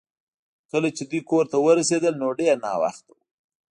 کله چې دوی کور ته ورسیدل نو ډیر ناوخته و